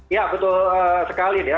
ya betul sekali ya